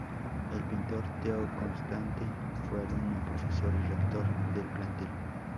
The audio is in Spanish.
El pintor Theo Constante fue alumno, profesor y rector del plantel.